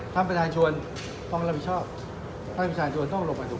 ความประภัยชวนต้องรับผิดชอบความประภัยชวนต้องหลบมาถูก